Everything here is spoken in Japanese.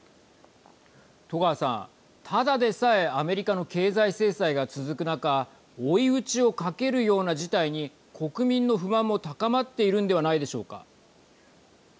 戸川さん、ただでさえアメリカの経済制裁が続く中追い打ちをかけるような事態に国民の不満も高まっているんでははい。